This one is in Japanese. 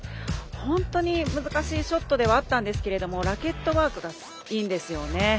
本当に難しいショットではあったんですけれどもラケットワークがいいんですよね。